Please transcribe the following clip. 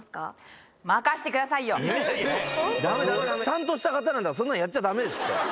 ちゃんとした方なんだからそんなんやっちゃダメですって。